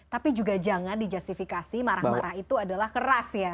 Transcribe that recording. tapi juga jangan dijustifikasi marah marah itu adalah keras ya